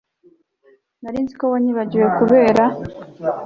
nari nzi ko wanyibagiwe, kubera